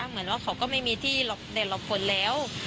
เหมือนว่าเขาก็ไม่มีที่หรอกแต่ละคนแล้ว